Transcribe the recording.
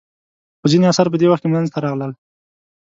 خو ځینې اثار په دې وخت کې منځته راغلل.